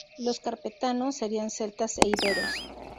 Los carpetanos serían celtas e iberos.